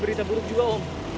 berita buruk juga om